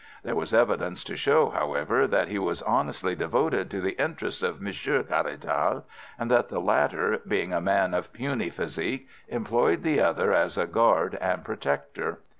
There was evidence to show, however, that he was honestly devoted to the interests of Monsieur Caratal, and that the latter, being a man of puny physique, employed the other as a guard and protector.